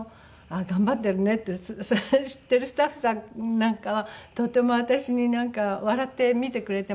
頑張ってるねって知ってるスタッフさんなんかはとても私に笑って見てくれてましたけど。